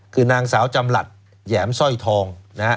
คือนางสาวจำหลัดแหยมสร้อยทองนะฮะ